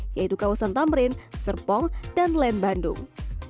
yaitu kawasan tamrin serpong dan len bandung